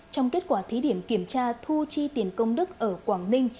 trong kết quả thí điểm kiểm tra thu chi tiền công đức ở quảng ninh